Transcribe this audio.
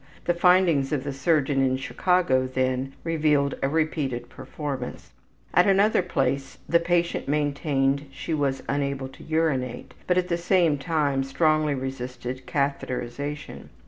(The findings of the surgeon in Chicago, then, revealed a repeated performance.) At another place the patient maintained she was unable to urinate, but at the same time strongly resisted catheterization.